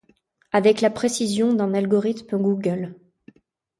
Avec la précision d’un algorithme Google.